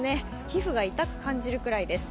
皮膚が痛く感じるくらいです。